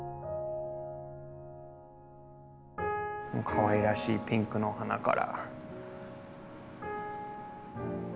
かわいらしいピンクのお花柄。